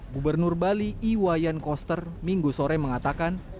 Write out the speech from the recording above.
gubernur bali iwayan koster minggu sore mengatakan